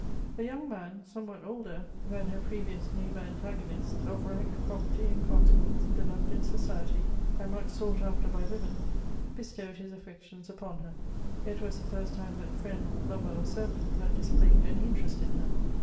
"A young man, somewhat older than her previous neighbor antagonist, of rank, property, and consequence, beloved in society, and much sought after by women, bestowed his affections upon her. It was the first time that friend, lover, or servant had displayed any interest in her.